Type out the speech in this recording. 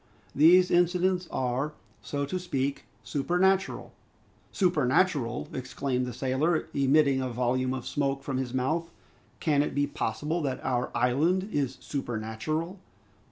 These incidents are, so to speak, supernatural " "Supernatural!" exclaimed the sailor, emitting a volume of smoke from his mouth. "Can it be possible that our island is supernatural?"